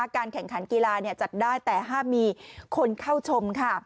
การแข่งขันกีฬาจัดได้แต่ห้ามมีคนเข้าชมค่ะ